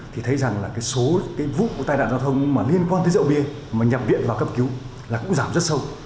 thì thấy rằng là cái số cái vụ tai nạn giao thông mà liên quan tới rượu bia mà nhập viện vào cấp cứu là cũng giảm rất sâu